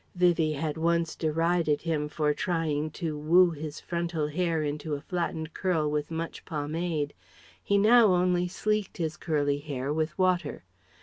Vivie had once derided him for trying to woo his frontal hair into a flattened curl with much pomade ... he now only sleeked his curly hair with water.